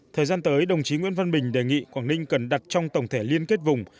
thời gian tới đồng chí nguyễn văn bình đề nghị quảng ninh cần đặt trong tổng thể liên kết vùng